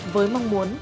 với mong muốn